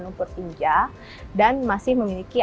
lumpur tinja dan masih memiliki